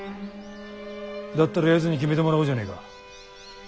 だったらやつに決めてもらおうじゃねえか。